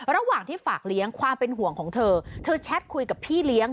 ระหว่างที่ฝากเลี้ยงความเป็นห่วงของเธอเธอแชทคุยกับพี่เลี้ยง